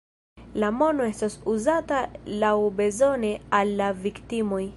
La mono estos uzata laŭbezone al la viktimoj.